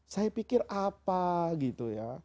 saya pikir apa gitu ya